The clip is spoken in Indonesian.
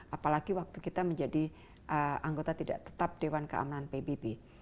apalagi waktu kita menjadi anggota tidak tetap dewan keamanan pbb